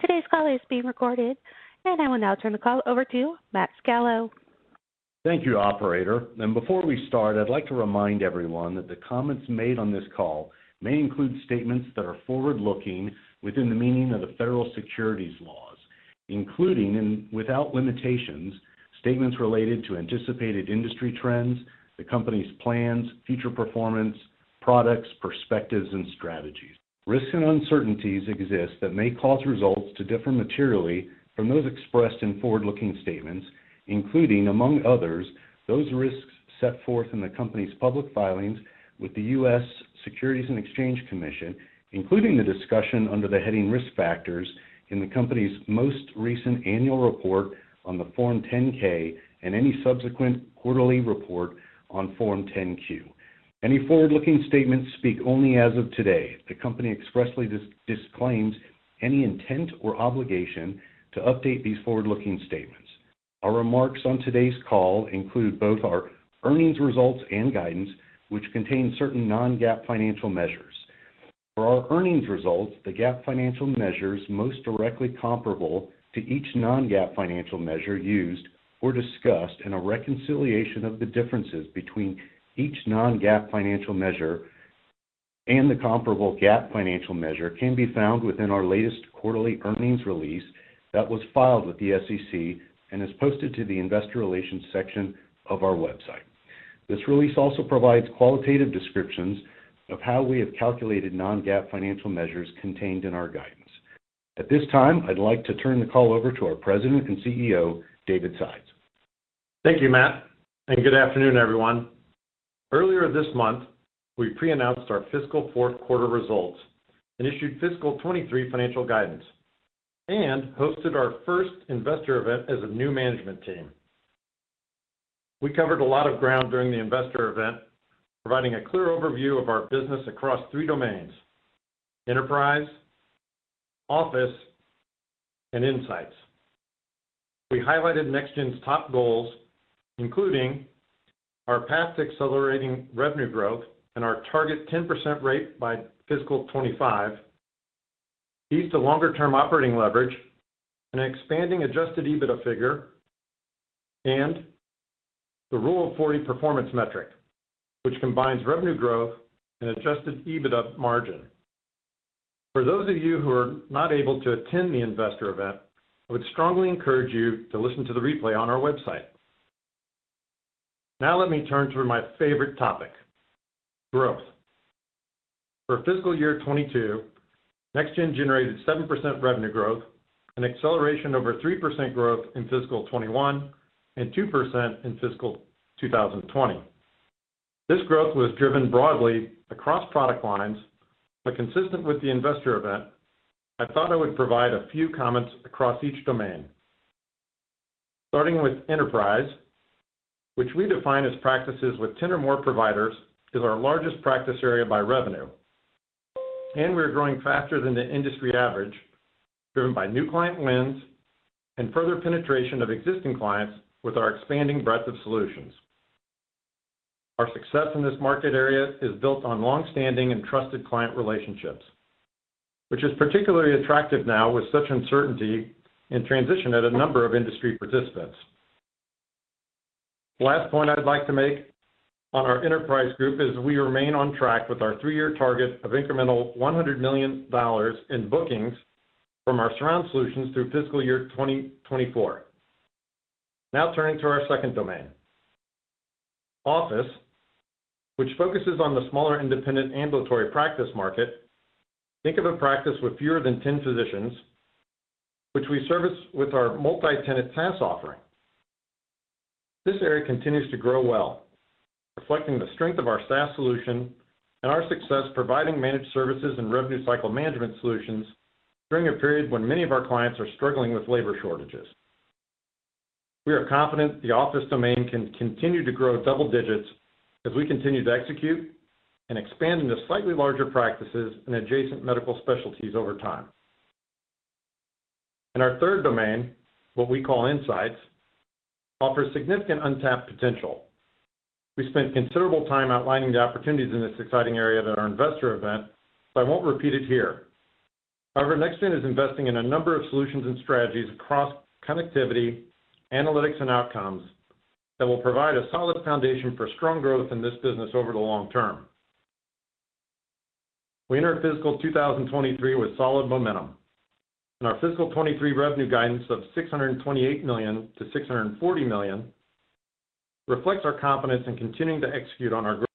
Today's call is being recorded, and I will now turn the call over to Matthew Scalo. Thank you, operator. Before we start, I'd like to remind everyone that the comments made on this call may include statements that are forward-looking within the meaning of the federal securities laws, including, without limitation, statements related to anticipated industry trends, the company's plans, future performance, products, perspectives, and strategies. Risks and uncertainties exist that may cause results to differ materially from those expressed in forward-looking statements, including, among others, those risks set forth in the company's public filings with the U.S. Securities and Exchange Commission, including the discussion under the heading Risk Factors in the company's most recent annual report on the Form 10-K, and any subsequent quarterly report on Form 10-Q. Any forward-looking statements speak only as of today. The company expressly disclaims any intent or obligation to update these forward-looking statements. Our remarks on today's call include both our earnings results and guidance, which contain certain non-GAAP financial measures. For our earnings results, the GAAP financial measures most directly comparable to each non-GAAP financial measure used or discussed in a reconciliation of the differences between each non-GAAP financial measure and the comparable GAAP financial measure can be found within our latest quarterly earnings release that was filed with the SEC and is posted to the investor relations section of our website. This release also provides qualitative descriptions of how we have calculated non-GAAP financial measures contained in our guidance. At this time, I'd like to turn the call over to our President and CEO, David Sides. Thank you, Matt, and good afternoon, everyone. Earlier this month, we pre-announced our fiscal Q4 results and issued fiscal 2023 financial guidance and hosted our first investor event as a new management team. We covered a lot of ground during the investor event, providing a clear overview of our business across three domains, Enterprise, Office, and Insights. We highlighted NextGen's top goals, including our path to accelerating revenue growth and our target 10% rate by fiscal 2025. These two longer-term operating leverages and expanding adjusted EBITDA figure and the Rule of Forty performance metric, which combines revenue growth and adjusted EBITDA margin. For those of you who were not able to attend the investor event, I would strongly encourage you to listen to the replay on our website. Now let me turn to my favorite topic, growth. For fiscal year 2022, NextGen generated 7% revenue growth, an acceleration over 3% growth in fiscal 2021 and 2% in fiscal 2020. This growth was driven broadly across product lines, but consistent with the investor event, I thought I would provide a few comments across each domain. Starting with enterprise, which we define as practices with 10 or more providers, is our largest practice area by revenue. We're growing faster than the industry average, driven by new client wins and further penetration of existing clients with our expanding breadth of solutions. Our success in this market area is built on long-standing and trusted client relationships, which is particularly attractive now with such uncertainty and transition at a number of industry participants. The last point I'd like to make on our enterprise group is we remain on track with our three-year target of incremental $100 million in bookings from our surround solutions through fiscal year 2024. Now turning to our second domain, office, which focuses on the smaller independent ambulatory practice market. Think of a practice with fewer than 10 physicians, which we service with our multi-tenant SaaS offering. This area continues to grow well, reflecting the strength of our SaaS solution and our success providing managed services and revenue cycle management solutions during a period when many of our clients are struggling with labor shortages. We are confident the office domain can continue to grow double digits as we continue to execute and expand into slightly larger practices and adjacent medical specialties over time. In our third domain, what we call insights, offers significant untapped potential. We spent considerable time outlining the opportunities in this exciting area at our investor event, so I won't repeat it here. However, NextGen is investing in a number of solutions and strategies across connectivity, analytics, and outcomes that will provide a solid foundation for strong growth in this business over the long term. We enter fiscal 2023 with solid momentum, and our fiscal 2023 revenue guidance of $628 million-$640 million reflects our confidence in continuing to execute on our growth.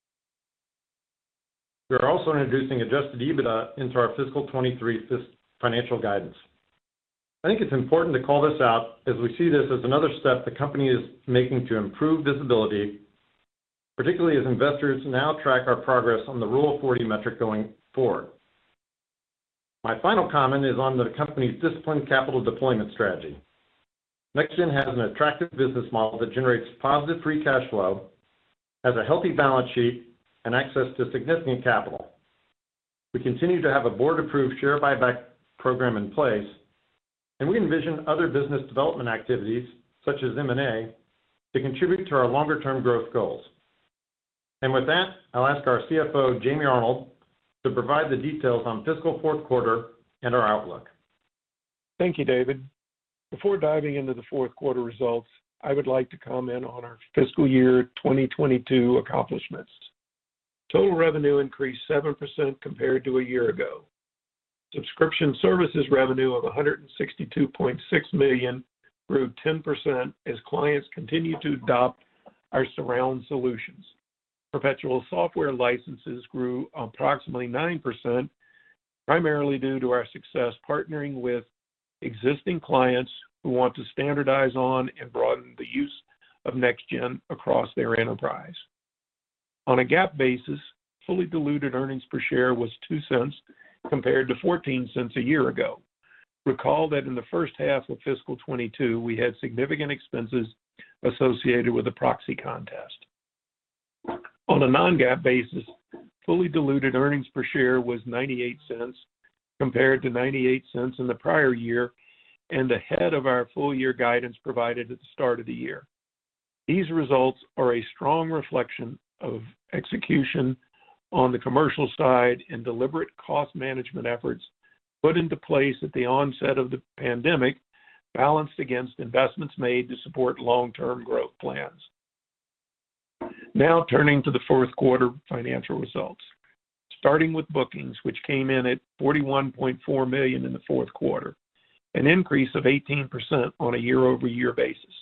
We are also introducing adjusted EBITDA into our fiscal 2023 financial guidance. I think it's important to call this out as we see this as another step the company is making to improve visibility, particularly as investors now track our progress on the Rule of Forty metric going forward. My final comment is on the company's disciplined capital deployment strategy. NextGen has an attractive business model that generates positive free cash flow, has a healthy balance sheet, and access to significant capital. We continue to have a board-approved share buyback program in place, and we envision other business development activities, such as M&A, to contribute to our longer-term growth goals. With that, I'll ask our CFO, Jamie Arnold, to provide the details on fiscal Q4 and our outlook. Thank you, David. Before diving into the Q4 results, I would like to comment on our fiscal year 2022 accomplishments. Total revenue increased 7% compared to a year ago. Subscription services revenue of $162.6 million grew 10% as clients continued to adopt our surround solutions. Perpetual software licenses grew approximately 9%, primarily due to our success partnering with existing clients who want to standardize on and broaden the use of NextGen across their enterprise. On a GAAP basis, fully diluted earnings per share was $0.02 compared to $0.14 a year ago. Recall that in the first half of fiscal 2022, we had significant expenses associated with the proxy contest. On a non-GAAP basis, fully diluted earnings per share was $0.98 compared to $0.98 in the prior year and ahead of our full-year guidance provided at the start of the year. These results are a strong reflection of execution on the commercial side and deliberate cost management efforts put into place at the onset of the pandemic, balanced against investments made to support long-term growth plans. Now turning to the Q4 financial results. Starting with bookings, which came in at $41.4 million in the Q4, an increase of 18% on a year-over-year basis.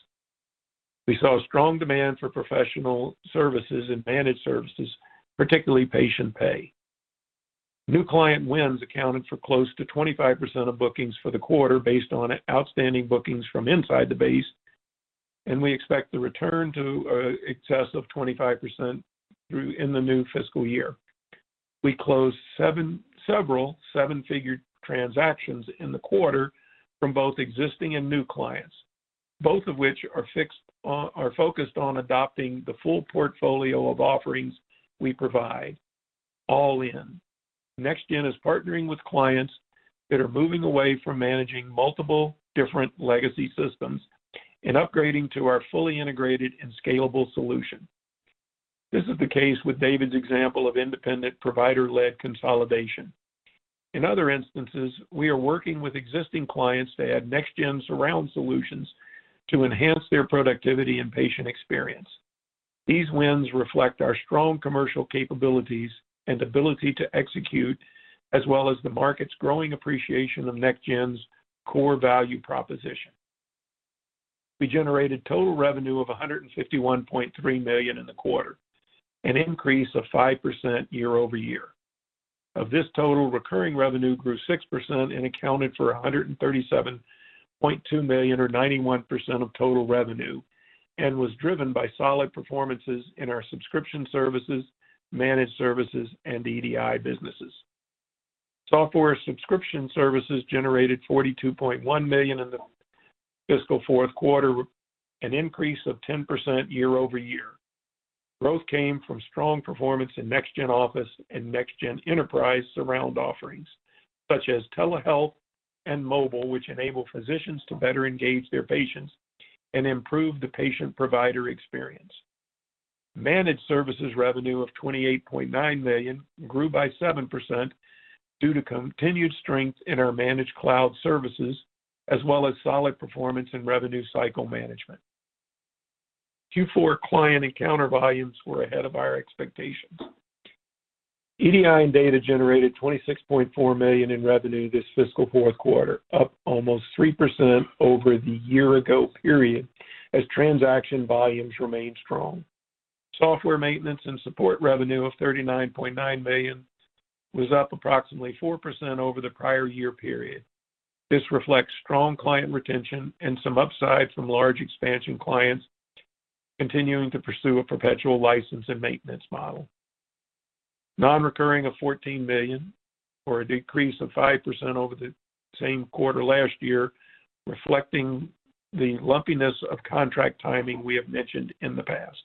We saw strong demand for professional services and managed services, particularly patient pay. New client wins accounted for close to 25% of bookings for the quarter based on outstanding bookings from inside the base, and we expect the return to excess of 25% throughout the new fiscal year. We closed several seven-figure transactions in the quarter from both existing and new clients, both of which are focused on adopting the full portfolio of offerings we provide all in. NextGen is partnering with clients that are moving away from managing multiple different legacy systems and upgrading to our fully integrated and scalable solution. This is the case with David's example of independent provider-led consolidation. In other instances, we are working with existing clients to add NextGen surround solutions to enhance their productivity and patient experience. These wins reflect our strong commercial capabilities and ability to execute, as well as the market's growing appreciation of NextGen's core value proposition. We generated total revenue of $151.3 million in the quarter, an increase of 5% year-over-year. Of this total, recurring revenue grew 6% and accounted for $137.2 million or 91% of total revenue and was driven by solid performances in our subscription services, managed services, and EDI businesses. Software subscription services generated $42.1 million in the fiscal Q4, an increase of 10% year-over-year. Growth came from strong performance in NextGen Office and NextGen Enterprise surround offerings such as telehealth and mobile, which enable physicians to better engage their patients and improve the patient-provider experience. Managed services revenue of $28.9 million grew by 7% due to continued strength in our managed cloud services as well as solid performance in revenue cycle management. Q4 client encounter volumes were ahead of our expectations. EDI and data generated $26.4 million in revenue this fiscal Q4, up almost 3% over the year ago period as transaction volumes remained strong. Software maintenance and support revenue of $39.9 million was up approximately 4% over the prior year period. This reflects strong client retention and some upside from large expansion clients continuing to pursue a perpetual license and maintenance model. Non-recurring of $14 million or a decrease of 5% over the same quarter last year, reflecting the lumpiness of contract timing we have mentioned in the past.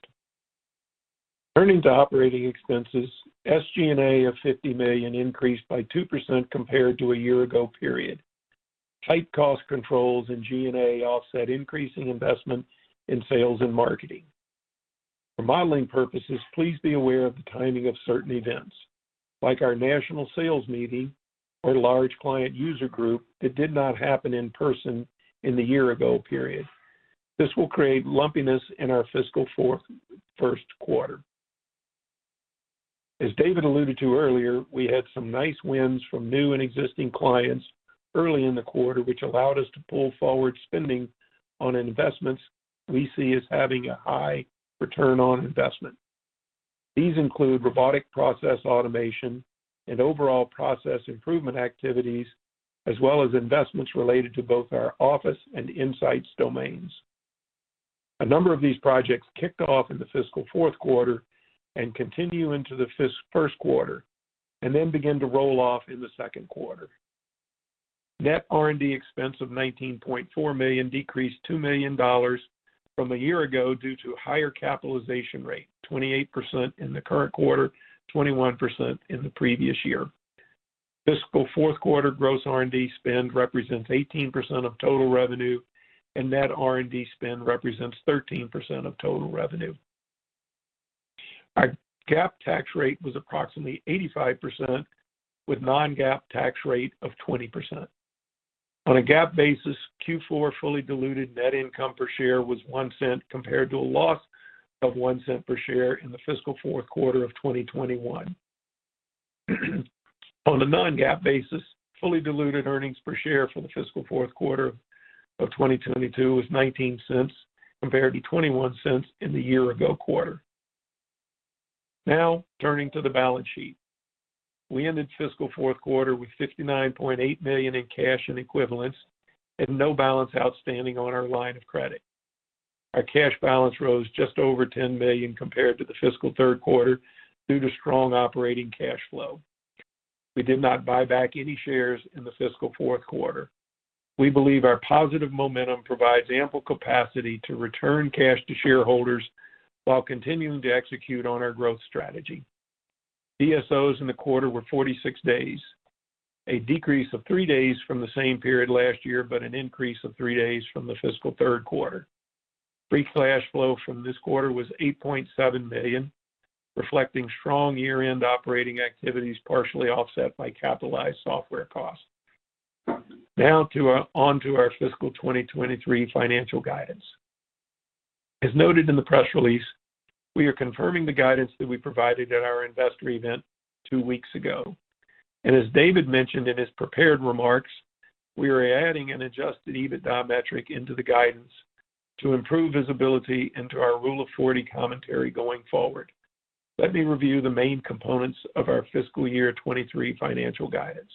Turning to operating expenses, SG&A of $50 million increased by 2% compared to a year-ago period. Tight cost controls in G&A offset increasing investment in sales and marketing. For modeling purposes, please be aware of the timing of certain events like our national sales meeting or large client user group that did not happen in person in the year-ago period. This will create lumpiness in our fiscal Q4 and Q1. As David alluded to earlier, we had some nice wins from new and existing clients early in the quarter, which allowed us to pull forward spending on investments we see as having a high return on investment. These include robotic process automation and overall process improvement activities, as well as investments related to both our Office and insights domains. A number of these projects kicked off in the fiscal Q4 and continue into the Q1 and then begin to roll off in the Q2. Net R&D expense of $19.4 million decreased $2 million from a year ago due to a higher capitalization rate, 28% in the current quarter, 21% in the previous year. Fiscal Q4 gross R&D spend represents 18% of total revenue, and net R&D spend represents 13% of total revenue. Our GAAP tax rate was approximately 85%, with non-GAAP tax rate of 20%. On a GAAP basis, Q4 fully diluted net income per share was $0.01 compared to a loss of $0.01 per share in the fiscal Q4 of 2021. On a non-GAAP basis, fully diluted earnings per share for the fiscal Q4 of 2022 was $0.19 compared to $0.21 in the year ago quarter. Now, turning to the balance sheet. We ended fiscal Q4 with $59.8 million in cash and equivalents and no balance outstanding on our line of credit. Our cash balance rose just over $10 million compared to the fiscal Q3 due to strong operating cash flow. We did not buy back any shares in the fiscal Q4. We believe our positive momentum provides ample capacity to return cash to shareholders while continuing to execute on our growth strategy. DSOs in the quarter were 46 days, a decrease of three days from the same period last year, but an increase of three days from the fiscal Q3. Free cash flow from this quarter was $8.7 million, reflecting strong year-end operating activities partially offset by capitalized software costs. On to our fiscal 2023 financial guidance. As noted in the press release, we are confirming the guidance that we provided at our investor event two weeks ago. As David mentioned in his prepared remarks, we are adding an adjusted EBITDA metric into the guidance to improve visibility into our Rule of Forty commentary going forward. Let me review the main components of our fiscal year 2023 financial guidance.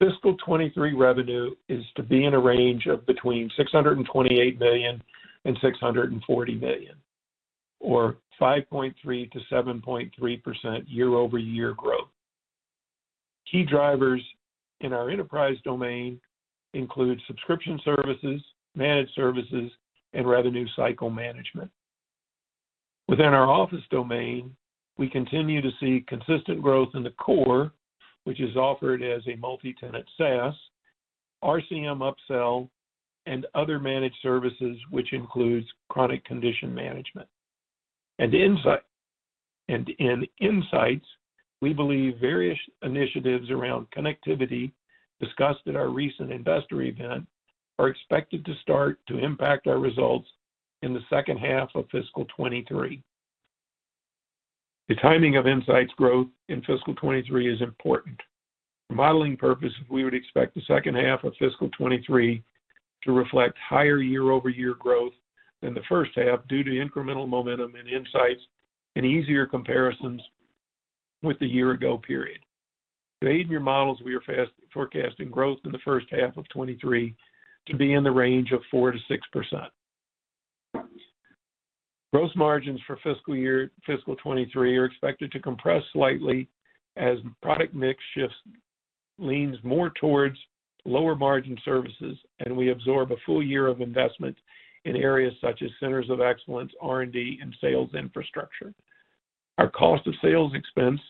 Fiscal 2023 revenue is to be in a range of between $628 million and $640 million, or 5.3%-7.3% year-over-year growth. Key drivers in our enterprise domain include subscription services, managed services, and revenue cycle management. Within our office domain, we continue to see consistent growth in the core, which is offered as a multi-tenant SaaS, RCM upsell, and other managed services, which includes chronic condition management. In Insights, we believe various initiatives around connectivity discussed at our recent investor event are expected to start to impact our results in the second half of fiscal 2023. The timing of Insights growth in fiscal 2023 is important. For modeling purposes, we would expect the second half of fiscal 2023 to reflect higher year-over-year growth than the first half due to incremental momentum in Insights and easier comparisons with the year ago period. To aid in your models, we are forecasting growth in the first half of 2023 to be in the range of 4%-6%. Gross margins for fiscal year 2023 are expected to compress slightly as product mix shifts leans more towards lower margin services, and we absorb a full year of investment in areas such as centers of excellence, R&D, and sales infrastructure. Our cost of sales expense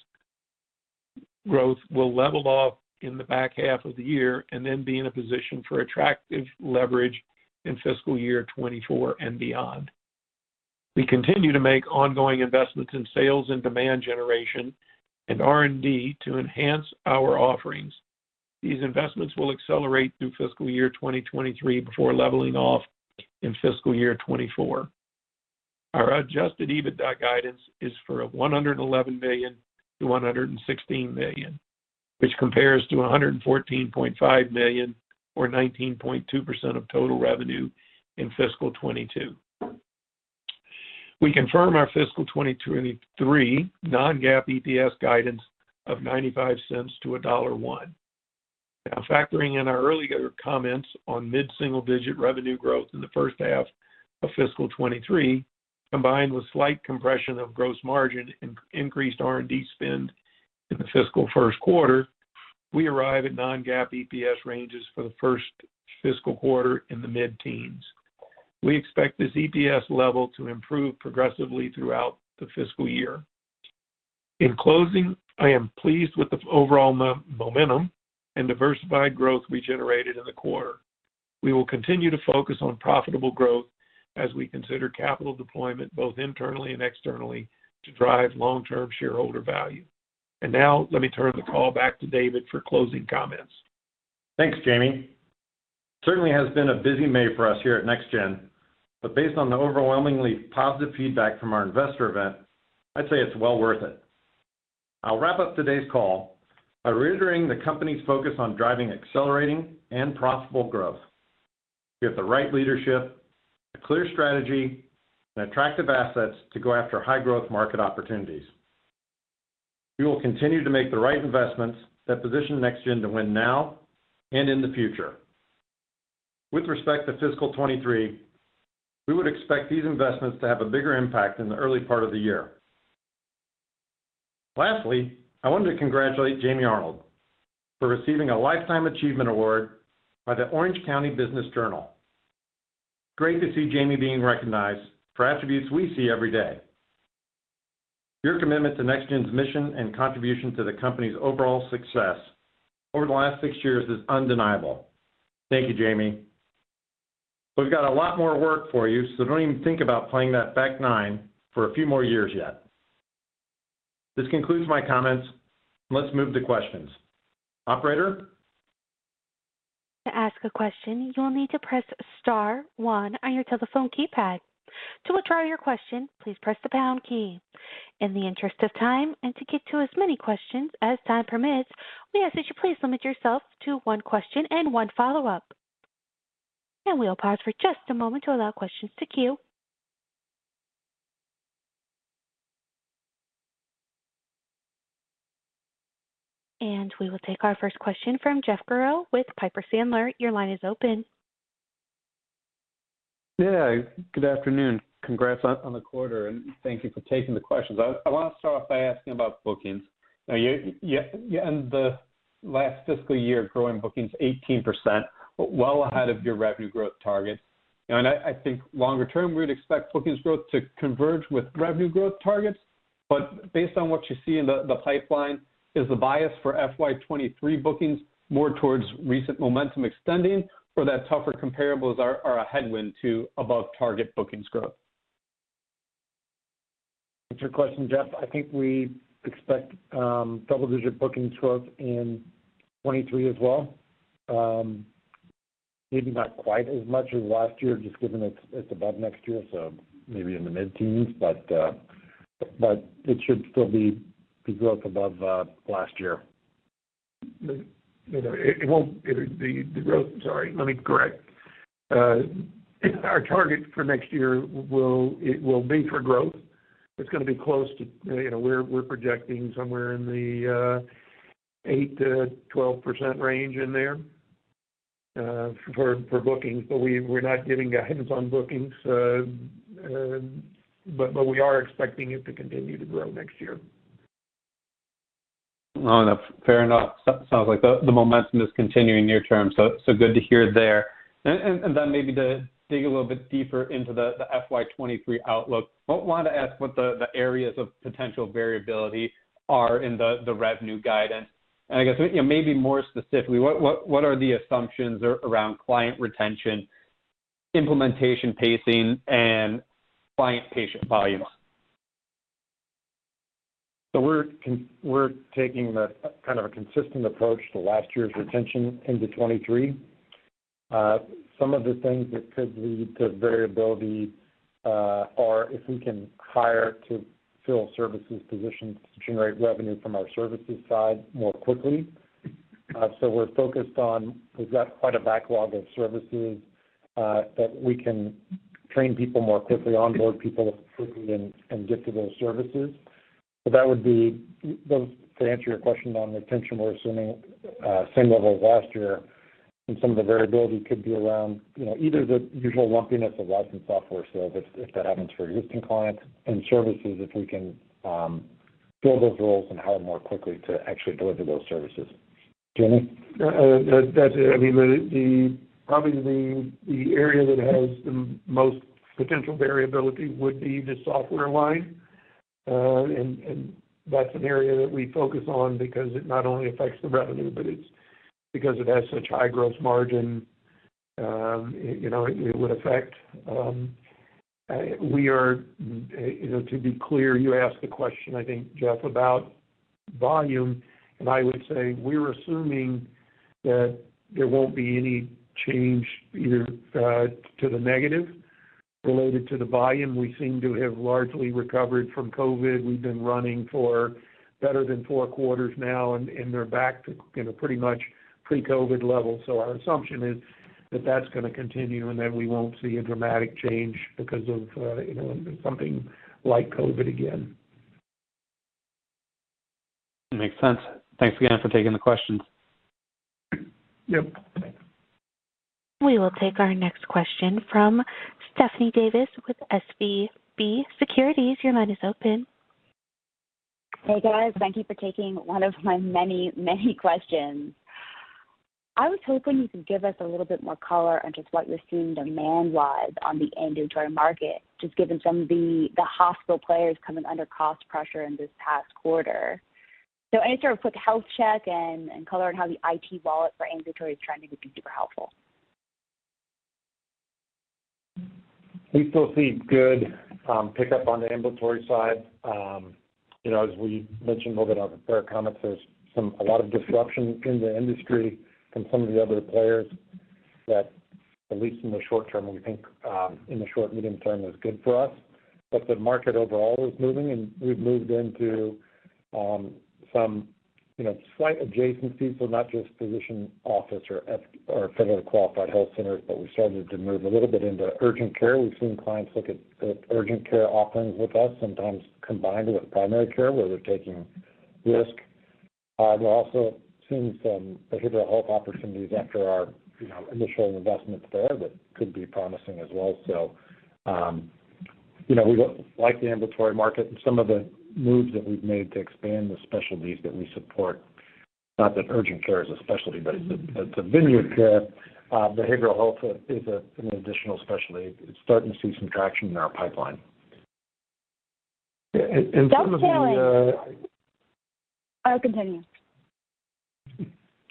growth will level off in the back half of the year and then be in a position for attractive leverage in fiscal year 2024 and beyond. We continue to make ongoing investments in sales and demand generation and R&D to enhance our offerings. These investments will accelerate through fiscal year 2023 before leveling off in fiscal year 2024. Our adjusted EBITDA guidance is for $111 million-$116 million, which compares to $114.5 million or 19.2% of total revenue in fiscal 2022. We confirm our fiscal 2023 non-GAAP EPS guidance of $0.95-$1.01. Now factoring in our earlier comments on mid-single-digit revenue growth in the first half of fiscal 2023, combined with slight compression of gross margin and increased R&D spend in the fiscal Q1, we arrive at non-GAAP EPS ranges for the first fiscal quarter in the mid-teens. We expect this EPS level to improve progressively throughout the fiscal year. In closing, I am pleased with the overall momentum and diversified growth we generated in the quarter. We will continue to focus on profitable growth as we consider capital deployment, both internally and externally to drive long-term shareholder value. Now let me turn the call back to David for closing comments. Thanks, Jamie. Certainly has been a busy May for us here at NextGen, but based on the overwhelmingly positive feedback from our investor event, I'd say it's well worth it. I'll wrap up today's call by reiterating the company's focus on driving, accelerating, and profitable growth. We have the right leadership, a clear strategy, and attractive assets to go after high-growth market opportunities. We will continue to make the right investments that position NextGen to win now and in the future. With respect to fiscal 2023, we would expect these investments to have a bigger impact in the early part of the year. Lastly, I wanted to congratulate Jamie Arnold for receiving a Lifetime Achievement Award by the Orange County Business Journal. Great to see Jamie being recognized for attributes we see every day. Your commitment to NextGen's mission and contribution to the company's overall success over the last six years is undeniable. Thank you, Jamie. We've got a lot more work for you, so don't even think about playing that back nine for a few more years yet. This concludes my comments. Let's move to questions. Operator? To ask a question, you will need to press star one on your telephone keypad. To withdraw your question, please press the pound key. In the interest of time and to get to as many questions as time permits, we ask that you please limit yourself to one question and one follow-up. We'll pause for just a moment to allow questions to queue. We will take our first question from Jeff Garro with Piper Sandler. Your line is open. Yeah, good afternoon. Congrats on the quarter, and thank you for taking the questions. I wanna start off by asking about bookings. Now, you end the last fiscal year growing bookings 18%, well ahead of your revenue growth target. You know, and I think longer term, we would expect bookings growth to converge with revenue growth targets. Based on what you see in the pipeline, is the bias for FY 2023 bookings more towards recent momentum extending or that tougher comparables are a headwind to above target bookings growth? To answer your question, Jeff, I think we expect double-digit bookings growth in 2023 as well. Maybe not quite as much as last year, just given it's above next year, so maybe in the mid-teens. It should still be growth above last year. You know, sorry, let me correct. Our target for next year will be for growth. It's gonna be close to, you know. We're projecting somewhere in the 8%-12% range there for bookings. We're not giving guidance on bookings. We are expecting it to continue to grow next year. Oh, fair enough. Sounds like the momentum is continuing near term, so good to hear there. Then maybe to dig a little bit deeper into the FY 2023 outlook, I want to ask what the areas of potential variability are in the revenue guidance. I guess, you know, maybe more specifically, what are the assumptions around client retention, implementation pacing, and client patient volumes? We're taking kind of a consistent approach to last year's retention into 2023. Some of the things that could lead to variability are if we can hire to fill services positions to generate revenue from our services side more quickly. We're focused on, we've got quite a backlog of services that we can train people more quickly, onboard people quickly and get to those services. To answer your question on retention, we're assuming same level as last year, and some of the variability could be around, you know, either the usual lumpiness of license software sales, if that happens for existing clients, and services, if we can fill those roles and hire more quickly to actually deliver those services. Jamie? I mean, the area that has the most potential variability would be the software line. And that's an area that we focus on because it not only affects the revenue, but it's because it has such high gross margin, you know, it would affect. We are, you know, to be clear, you asked the question, I think, Jeff Garro, about volume, and I would say we're assuming that there won't be any change either to the negative related to the volume. We seem to have largely recovered from COVID. We've been running for better than four quarters now, and they're back to, you know, pretty much pre-COVID levels. Our assumption is that that's gonna continue and that we won't see a dramatic change because of, you know, something like COVID again. Makes sense. Thanks again for taking the questions. Yep. We will take our next question from Stephanie Davis with SVB Securities. Your line is open. Hey, guys. Thank you for taking one of my many, many questions. I was hoping you could give us a little bit more color on just what you're seeing demand-wise on the ambulatory market, just given some of the hospital players coming under cost pressure in this past quarter. Any sort of quick health check and color on how the IT wallet for ambulatory is trending would be super helpful. We still see good pickup on the ambulatory side. You know, as we mentioned a little bit on the prepared comments, there's a lot of disruption in the industry from some of the other players that, at least in the short term, we think, in the short-medium term is good for us. The market overall is moving, and we've moved into some you know slight adjacencies, so not just physician office or federally qualified health centers, but we're starting to move a little bit into urgent care. We've seen clients look at urgent care offerings with us, sometimes combined with primary care, where they're taking risk. We're also seeing some behavioral health opportunities after our you know initial investments there that could be promising as well. You know, we like the ambulatory market and some of the moves that we've made to expand the specialties that we support. Not that urgent care is a specialty, but it's a venue. Behavioral health is an additional specialty. It's starting to see some traction in our pipeline. And, and some of the, uh- Dovetailing. Oh, continue.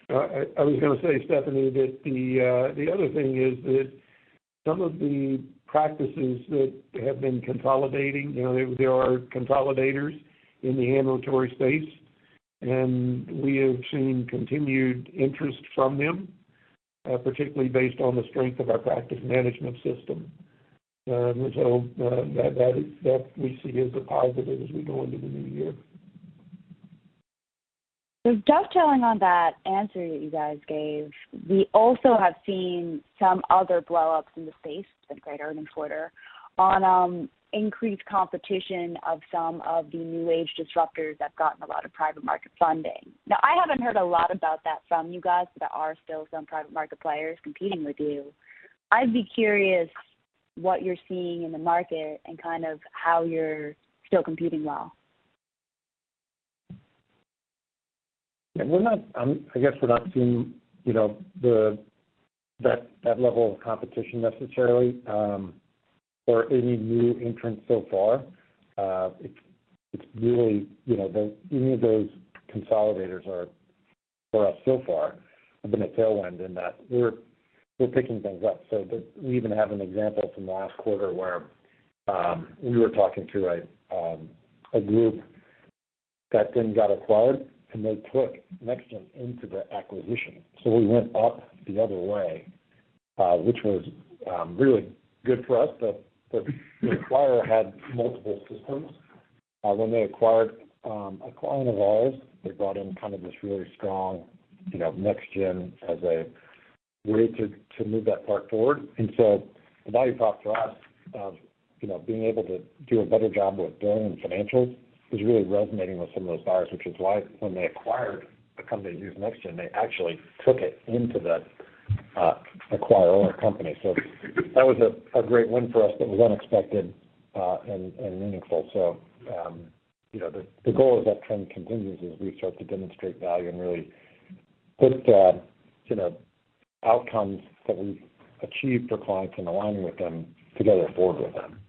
I was gonna say, Stephanie, that the other thing is that some of the practices that have been consolidating, you know, there are consolidators in the ambulatory space. We have seen continued interest from them, particularly based on the strength of our practice management system. That we see as a positive as we go into the new year. Dovetailing on that answer that you guys gave, we also have seen some other blow-ups in the space, the greater than quarter on increased competition of some of the new-age disruptors that's gotten a lot of private market funding. Now, I haven't heard a lot about that from you guys, but there are still some private market players competing with you. I'd be curious what you're seeing in the market and kind of how you're still competing well. Yeah. We're not, I guess we're not seeing, you know, that level of competition necessarily, or any new entrants so far. It's really, you know, then any of those consolidators, for us so far, have been a tailwind in that we're picking things up. We even have an example from last quarter where we were talking to a group that then got acquired, and they took NextGen into the acquisition. We went up the other way, which was really good for us. The acquirer had multiple systems. When they acquired a client of ours, they brought in kind of this really strong, you know, NextGen as a way to move that part forward. The value prop for us of you know being able to do a better job with billing and financials is really resonating with some of those buyers, which is why when they acquired a company that used NextGen, they actually took it into the acquired company. That was a great win for us that was unexpected and meaningful. The goal is that trend continues as we start to demonstrate value and really put the you know outcomes that we've achieved for clients and aligning with them to go forward with them.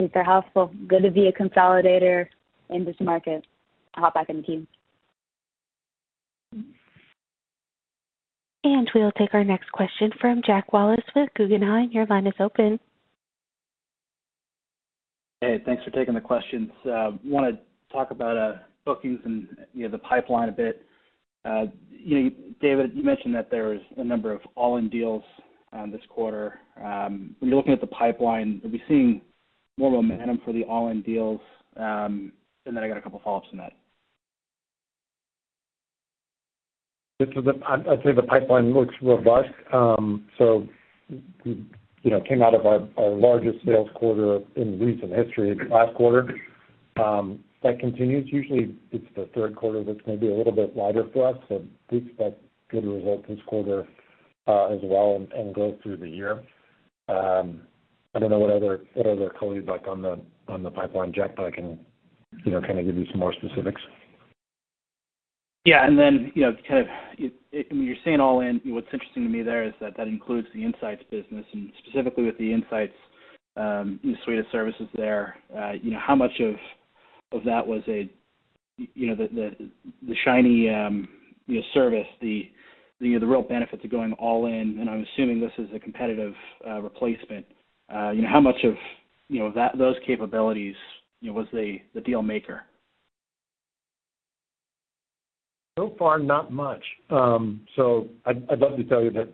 Super helpful. Good to be a consolidator in this market. I'll hop back in the queue. We'll take our next question from Jack Wallace with Guggenheim. Your line is open. Hey, thanks for taking the questions. Wanna talk about bookings and, you know, the pipeline a bit. You know, David, you mentioned that there's a number of all-in deals this quarter. When you're looking at the pipeline, are we seeing more momentum for the all-in deals? I got a couple follow-ups on that. I'd say the pipeline looks robust. You know, came out of our largest sales quarter in recent history last quarter. That continues. Usually, it's the Q3 that's gonna be a little bit lighter for us, so we expect good results this quarter, as well and go through the year. I don't know what other color you'd like on the pipeline, Jack, but I can, you know, kind of give you some more specifics. Yeah. When you're saying all in, what's interesting to me there is that that includes the insights business and specifically with the insights suite of services there, you know, how much of that was a, you know, the shiny service, the, you know, the real benefits of going all in, and I'm assuming this is a competitive replacement, you know, how much of, you know, those capabilities, you know, was the deal maker? So far, not much. I'd love to tell you that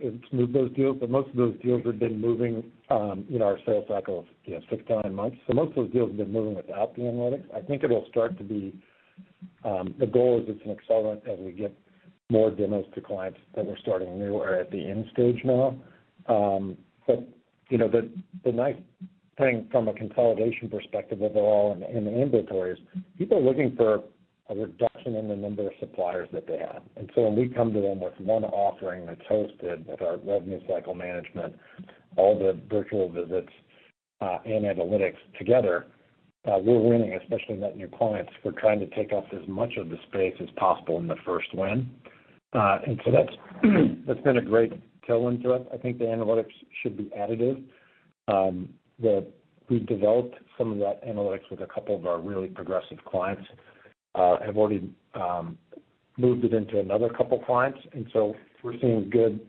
it's moved those deals, but most of those deals have been moving, you know, our sales cycle of, you know, six to nine months. Most of those deals have been moving without the analytics. I think it'll start to be. The goal is it's an accelerant as we get more demos to clients that we're starting new or at the end stage now. But, you know, the nice thing from a consolidation perspective overall in the ambulatory is people are looking for a reduction in the number of suppliers that they have. When we come to them with one offering that's hosted with our revenue cycle management, all the virtual visits, and analytics together, we're winning, especially net new clients. We're trying to take up as much of the space as possible in the first win. That's been a great tailwind to us. I think the analytics should be additive. We've developed some of that analytics with a couple of our really progressive clients, have already moved it into another couple clients. We're seeing good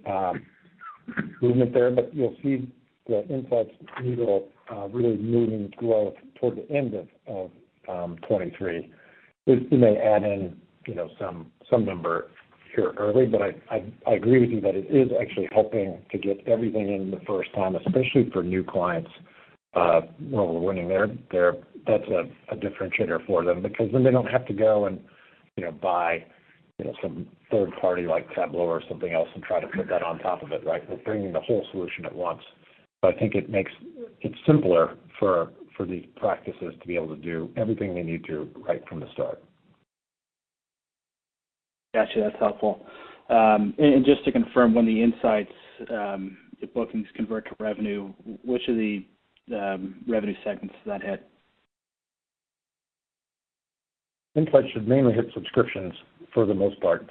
movement there. You'll see the insights needle really moving growth toward the end of 2023. We may add in, you know, some number here early, but I agree with you that it is actually helping to get everything in the first time, especially for new clients, when we're winning there, that's a differentiator for them because then they don't have to go and, you know, buy, you know, some third party like Tableau or something else and try to put that on top of it, right? We're bringing the whole solution at once. I think it makes it simpler for these practices to be able to do everything they need to right from the start. Gotcha. That's helpful. Just to confirm, when the insights, the bookings convert to revenue, which of the revenue segments does that hit? Insights should mainly hit subscriptions for the most part.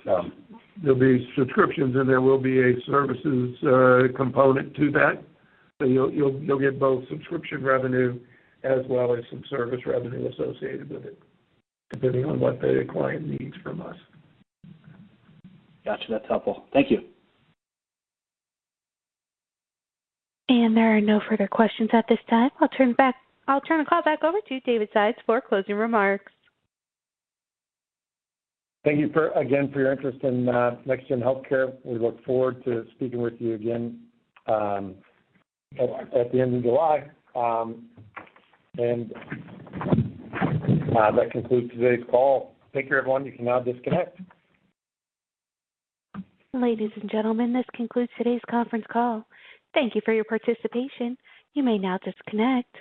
There'll be subscriptions, and there will be a services component to that. You'll get both subscription revenue as well as some service revenue associated with it, depending on what the client needs from us. Gotcha. That's helpful. Thank you. There are no further questions at this time. I'll turn the call back over to David Sides for closing remarks. Thank you again for your interest in NextGen Healthcare. We look forward to speaking with you again at the end of July. That concludes today's call. Take care, everyone. You can now disconnect. Ladies and gentlemen, this concludes today's conference call. Thank you for your participation. You may now disconnect.